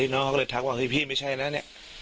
น้องเขาก็เลยทักว่าเฮ้ยพี่ไม่ใช่นะเนี่ย